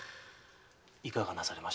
いかがなされました？